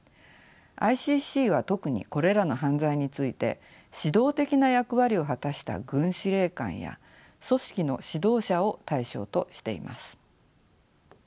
ＩＣＣは特にこれらの犯罪について指導的な役割を果たした軍司令官や組織の指導者を対象としています。